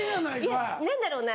いや何だろうな。